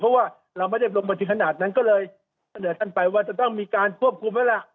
เพราะว่าเราไม่ได้ลงมาถึงขนาดนั้นก็เลยเสนอท่านไปว่าจะต้องมีการควบคุมแล้วล่ะ